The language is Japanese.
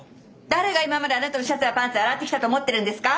誰が今まであなたのシャツやパンツ洗ってきたと思ってるんですか！？